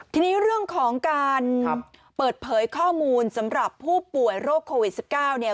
ทีนี้เรื่องของการเปิดเผยข้อมูลสำหรับผู้ป่วยโรคโควิด๑๙เนี่ย